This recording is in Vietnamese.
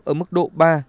ở mức độ ba bốn